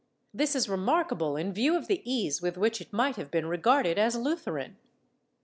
* This is remarkable in view of the ease with which it might have been regarded as Lutheran.